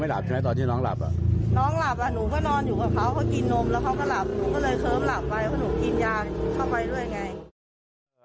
เข้าไปด้วยไง